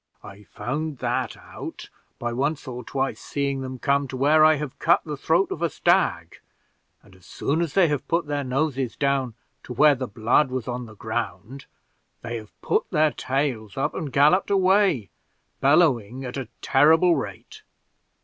I found that out by once or twice seeing them come to where I have cut the throat of a stag, and as soon as they have put their noses down to where the blood was on the ground, they have put their tails up and galloped away, bellowing at a terrible rate.